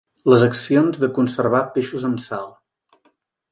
Les accions de conservar peixos amb sal.